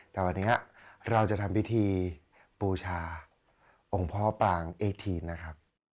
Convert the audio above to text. แต่วันนี้เราจะทำพิธีบูชาองค์พ่อปางเอทีนนะครับ